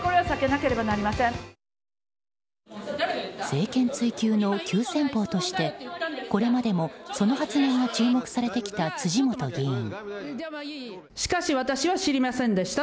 政権追及の急先鋒としてこれまでも、その発言が注目されてきた辻元議員。